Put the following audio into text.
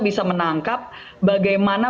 bisa menangkap bagaimana